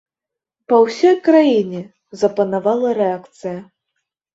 Па ўсёй краіне запанавала рэакцыя.